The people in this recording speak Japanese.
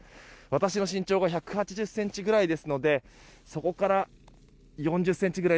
私の身長が１８０ｃｍぐらいですのでそこから４０ｃｍぐらい。